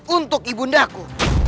untuk ibu ndaku